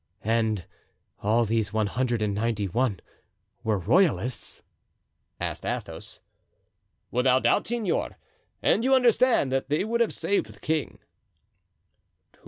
"And all these one hundred and ninety one were Royalists?" asked Athos. "Without doubt, senor; and you understand that they would have saved the king."